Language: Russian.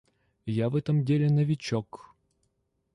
Я в этом деле новичок.